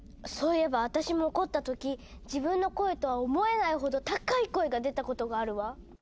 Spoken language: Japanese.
そういえば私も怒った時自分の声とは思えないほど高い声が出たことがあるわ。